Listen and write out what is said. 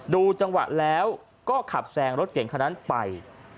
ดูจังหวะแล้วก็ขับแซงรถเก่งคนนั้นไป